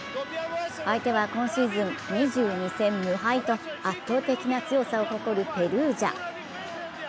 相手は今シーズン２２戦無敗と圧倒的な強さを誇るペルージャ。